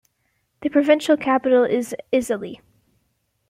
The provincial capital is Isale.